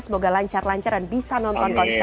semoga lancar lancar dan bisa nonton konsernya ya